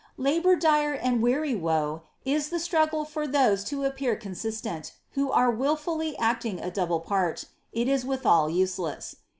Labour dire and weary woe is the etrufrgle for those to appear coD ■>leiit, who arc wilfully acting a double part; it ia wiihat useless.